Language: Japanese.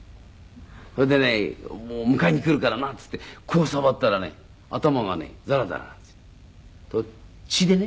それでね「迎えに来るからな」って言ってこう触ったらね頭がねザラザラなんですよ血でね。